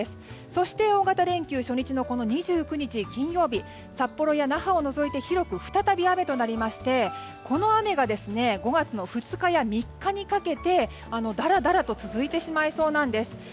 そして大型連休初日の２９日、金曜日は札幌や那覇を除いて広く再び雨となりましてこの雨が５月の２日や３日にかけてだらだらと続いてしまいそうなんです。